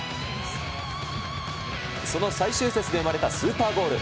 その最終節で生まれたスーパーゴール。